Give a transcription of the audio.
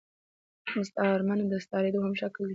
مستعارمنه د ا ستعارې دوهم شکل دﺉ.